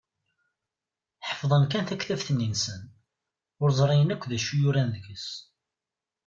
Ḥeffḍen kan taktabt-nni-nsen, ur ẓrin akk d acu yuran deg-s.